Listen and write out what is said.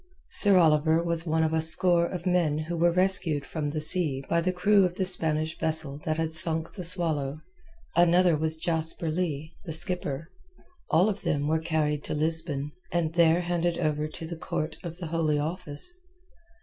Sir Oliver was one of a score of men who were rescued from the sea by the crew of the Spanish vessel that had sunk the Swallow; another was Jasper Leigh, the skipper. All of them were carried to Lisbon, and there handed over to the Court of the Holy Office.